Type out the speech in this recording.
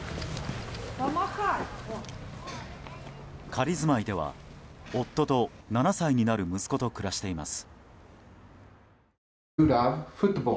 仮住まいでは夫と７歳になる息子と暮らしています。